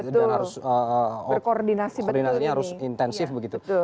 dan harus koordinasinya harus intensif begitu